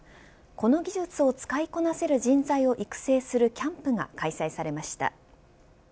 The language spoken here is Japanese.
この技術を使いこなせる人材を育成するキャンプが開催されました。